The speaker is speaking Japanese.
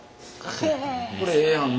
これええやんな。